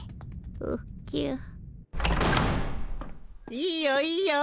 いいよいいよ。